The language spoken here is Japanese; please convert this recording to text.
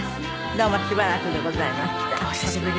どうもしばらくでございました。